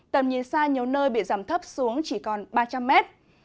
tầm nhìn xa nhiều nơi bị giảm thấp xuống chỉ còn ba trăm linh mét